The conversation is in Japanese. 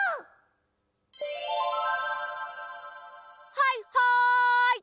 はいはい！